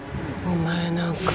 お前なんか。